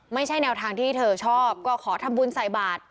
ไม่ใช่แนวทางที่เธอชอบก็ขอทำบุญใส่บาท